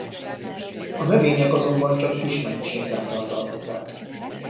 A növények azonban csak kis mennyiségben tartalmazzák.